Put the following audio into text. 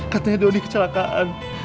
katanya doni kecelakaan